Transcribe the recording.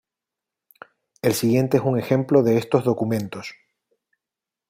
El siguiente es un ejemplo de estos documentos.